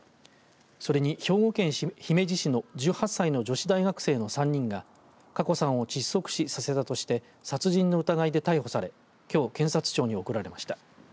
それに兵庫県姫路市の１８歳の女子大学生の３人が加古さんを窒息死させたとして殺人の疑い逮捕されきょう、検察庁に送られました。